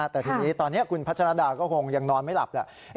แต่ทีนี้ตอนนี้คุณพัชรดาก็คงยังนอนไม่หลับแหละ